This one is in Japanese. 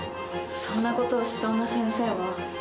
そんな事をしそうな先生は。